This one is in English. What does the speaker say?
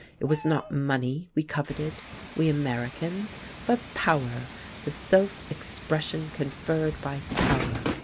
It was not money we coveted, we Americans, but power, the self expression conferred by power.